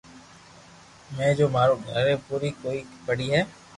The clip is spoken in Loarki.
جي مو ماري گھر ري پوري ڪوئي پڙي ھي